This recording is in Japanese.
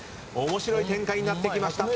面白い展開になってきました。